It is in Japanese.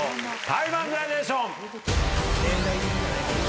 タイマングラデーション！